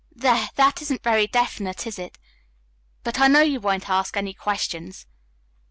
There, that isn't very definite, is it? But I know you won't ask any questions."